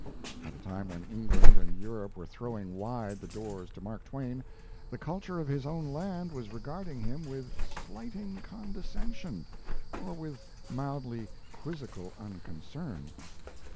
At a time when England and Europe were throwing wide the doors to Mark Twain, the culture of his own land was regarding him with slighting condescension, or with mildly quizzical unconcern.